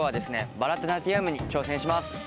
バラタナティヤムに挑戦します。